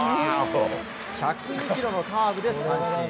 １０２キロのカーブで三振。